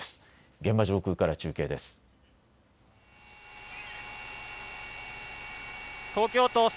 現場上空から中継です。